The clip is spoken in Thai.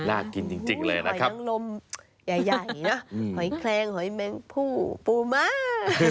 น่ากินจริงเลยนะครับทั้งลมใหญ่นะหอยแคลงหอยแมงผู้ปูม้า